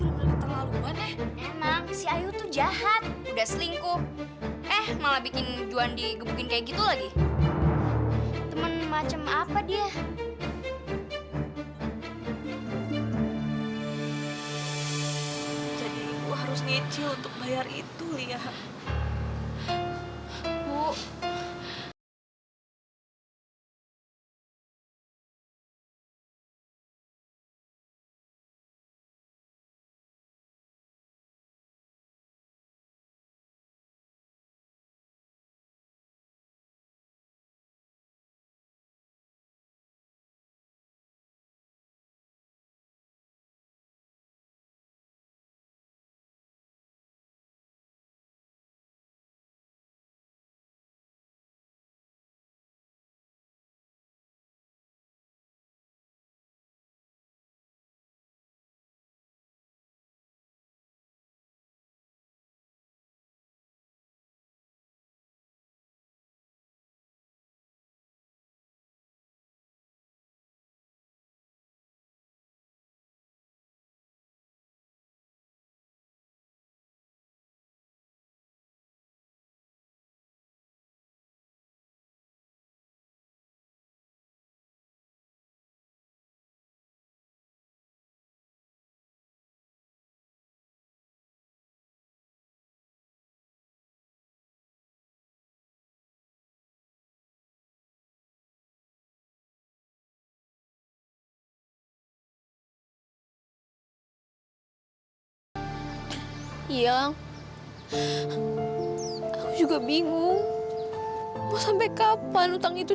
anak terpandang seperti kandung tidak pantas punya luka seperti itu